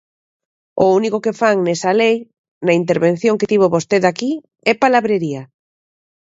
O único que fan nesa lei, na intervención que tivo vostede aquí, é palabrería.